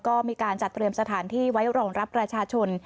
ก็มีการจัดเตรียมสถานที่ไว้รองรับประชาชน